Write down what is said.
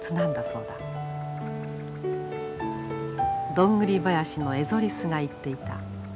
ドングリ林のエゾリスが言っていた。